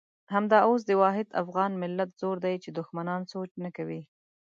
همدا اوس د واحد افغان ملت زور دی چې دښمنان سوچ نه کوي.